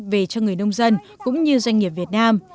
về cho người nông dân cũng như doanh nghiệp việt nam